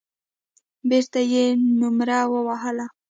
بېرته يې نومره ووهله.